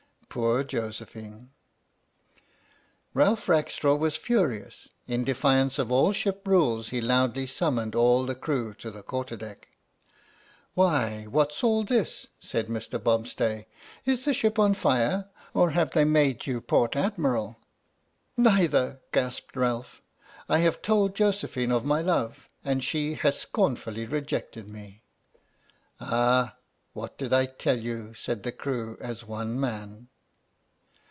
Poor Josephine! Ralph Rackstraw was furious. In defiance of all 63 H.M.S. "PINAFORE" ship rules he loudly summoned all the crew to the quarter deck. "Why! what's all this?" said Mr. Bobstay. "Is the ship on fire, or have they made you Port Ad miral?" " Neither," gasped Ralph. " I have told Josephine of my love, and she has scornfully rejected me!" "Ah! what did I tell you!" said the crew, as one man.